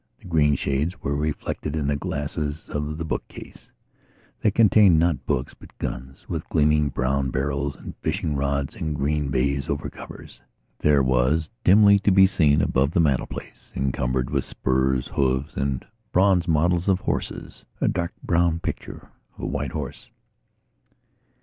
The green shades were reflected in the glasses of the book cases that contained not books but guns with gleaming brown barrels and fishing rods in green baize over covers. There was dimly to be seen, above a mantelpiece encumbered with spurs, hooves and bronze models of horses, a dark brown picture of a white horse.